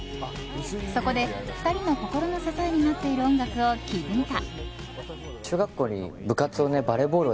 そこで、２人の心の支えになっている音楽を聞いてみた。